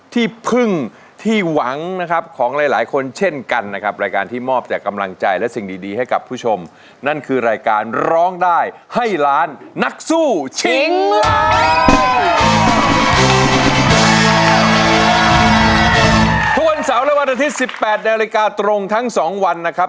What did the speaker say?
ทุกวันเสาร์วันอาทิตย์๑๘ในอาฬิกาตรงทั้ง๒วันครับ